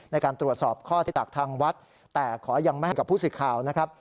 ในการตรวจสอบข้อที่ตักทางวัดแต่ขอยังไม่ให้กับผู้สื่อข่าวนะครับ